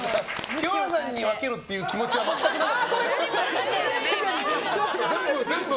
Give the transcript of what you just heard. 清原さんに分けるって気持ちは全くないの？